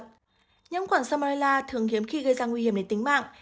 nhiễm khuẩn salmonella thường hiếm khi gây ra nguy hiểm đến tính mạng